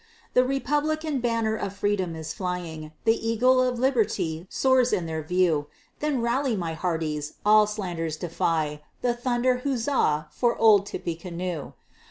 The Republican banner of Freedom is flying, The Eagle of Liberty soars in your view; Then rally my hearties all slanders defying, And thunder huzza! for "Old Tippecanoe."